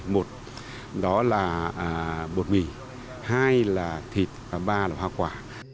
một đó là bột mì hai là thịt và ba là hoa quả